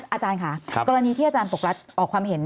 อาจารย์ค่ะกรณีที่อาจารย์ปรกรัฐออกความเห็น